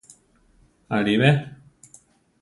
Aʼlí be?